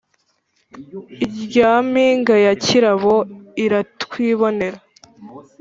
Irya mpinga ya Kirabo iratwibonera,